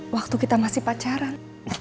waktu kita masih pacaran